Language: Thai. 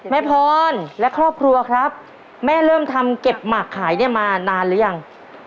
พรและครอบครัวครับแม่เริ่มทำเก็บหมักขายเนี่ยมานานหรือยัง